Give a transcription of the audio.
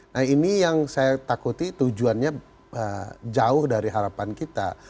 nah ini yang saya takuti tujuannya jauh dari harapan kita